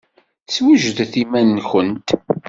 Swejdet iman-nwent.